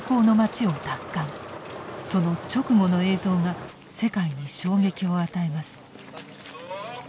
その直後の映像が世界に衝撃を与えます。